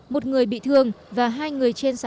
một người bị thương và hai người trên sân